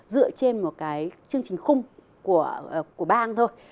dựa trên một cái chương trình khung của bang thôi